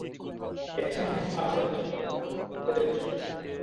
Jackson Heights subway স্টেশনে ঢোকার মুখে প্রচণ্ড বেগে বৃষ্টি শুরু হলো।